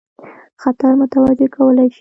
خطر متوجه کولای شي.